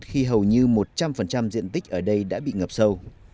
khi hầu như một trăm linh diện tích ở đây đã bị ngập sâu